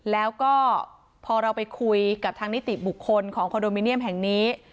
แล้วก็พอเราไปคุยกับทางนิติบุคคลของคอนโดมิเนียมแห่งนี้